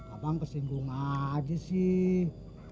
abang kesinggung aja sih